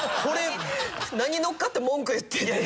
何のっかって文句言ってるん？